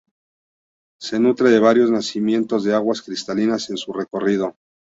Se nutre de varios nacimientos de aguas cristalinas en su recorrido.